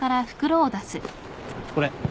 これ。